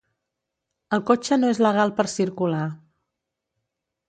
El cotxe no és legal per circular.